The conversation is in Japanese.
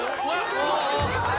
すごい。